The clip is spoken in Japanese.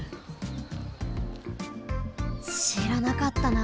しらなかったな。